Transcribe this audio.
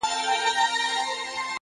لوړ فکر محدودیتونه کمزوري کوي.